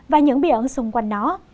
và những bí ẩn xung quanh nó